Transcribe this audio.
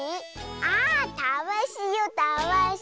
あたわしよたわし。